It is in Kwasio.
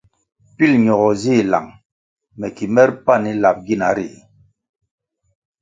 Pil ñogo zih lang me ki mere pani lap gina ri.